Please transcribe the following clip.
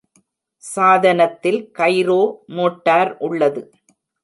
சாதனத்தில் gyro motor உள்ளது.